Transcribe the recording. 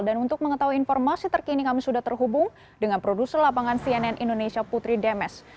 dan untuk mengetahui informasi terkini kami sudah terhubung dengan produser lapangan cnn indonesia putri demes